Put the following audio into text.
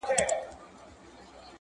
کال په کال خزانېدلای رژېدلای -